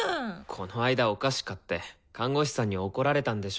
この間お菓子買って看護師さんに怒られたんでしょ？